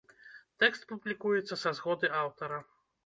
Тэкст публікуецца са згоды аўтара.